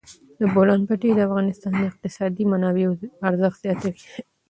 د بولان پټي د افغانستان د اقتصادي منابعو ارزښت زیاتوي.